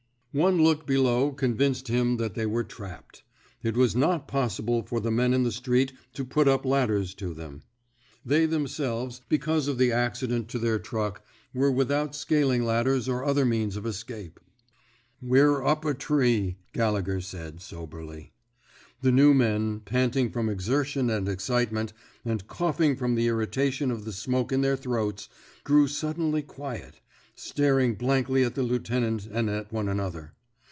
One look below convinced him that they were trapped. It was not possible for the 17 THE SMOKE EATERS men in the street to put up ladders to thenL They themselves, because of the accident to their truck, were without scaling ladders or other means of escape. We're up a tree,'' Gallegher said, soberly. The new men, panting from exertion and excitement, and coughing from the irritation of the smoke in their throats, grew suddenly quiet, staring blankly at the lieutenant and at one another.